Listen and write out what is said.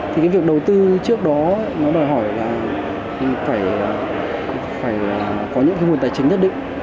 thì cái việc đầu tư trước đó nó đòi hỏi là phải có những cái nguồn tài chính nhất định